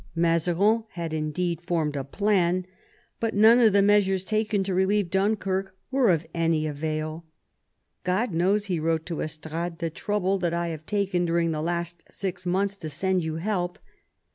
Mazarin had indeed formed a plan, but none of the measures taken to relieve Dunkirk were of any avail. " God knows," he wrote to Estrades, " the trouble that I have taken during the last six months to send you help."